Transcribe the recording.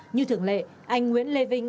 như thường lệ anh nguyễn lê vinh